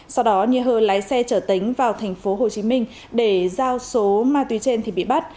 sau đó nhi hơ lái xe chở tánh vào thành phố hồ chí minh để giao số ma túy trên thì bị bắt